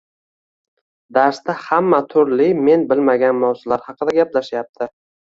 Darsda hamma turli men bilmagan mavzular haqida gaplashyapti